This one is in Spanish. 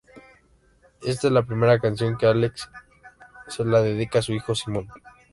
Esta es la primera canción que Alex se la dedica a su hijo Simón.